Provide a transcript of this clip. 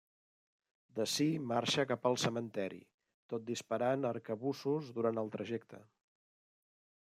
D'ací marxa cap al cementeri, tot disparant arcabussos durant el trajecte.